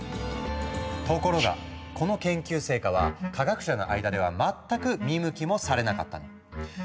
ところがこの研究成果は科学者の間では全く見向きもされなかったの。